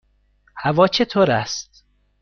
هوا چطور است؟